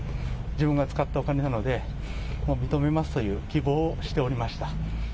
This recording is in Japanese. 自分が使ったお金なので、もう認めますという希望をしておりまし